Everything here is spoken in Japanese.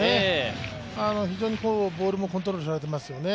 非常にボールもコントロールされていますよね。